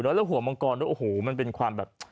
แล้วหัวมังกรด้วยโอ้โหมันเป็นความแบบ